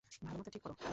ভালোমত ঠিক কর।